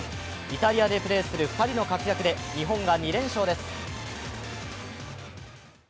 イタリアでプレーする２人の活躍で日本が２連勝です。